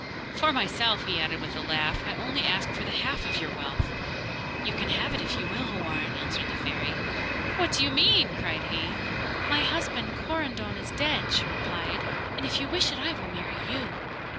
'For myself,' he added, with a laugh, 'I only ask for the half of your wealth.' 'You can have it, if you will, Houarn,' answered the fairy. 'What do you mean?' cried he. 'My husband, Korandon, is dead,' she replied, 'and if you wish it, I will marry you.